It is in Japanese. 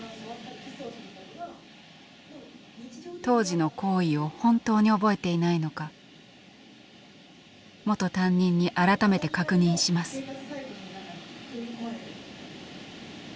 当時の行為を本当に覚えていないのか元担任に改めて確認します。